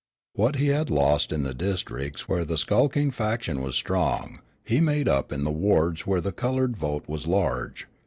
What he had lost in the districts where the skulking faction was strong, he made up in the wards where the colored vote was large.